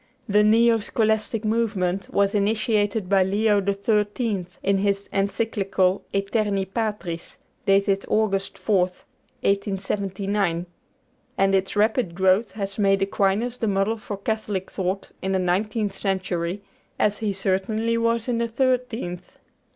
The "neo scholastic movement" was initiated by Leo XIII. in his Encyclical 'Æterni Patris,' dated August 4th, 1879, and its rapid growth has made Aquinas the model of Catholic thought in the nineteenth century, as he certainly was in the thirteenth.